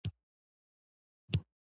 هغه له اصفهان څخه مکې ته ولاړ.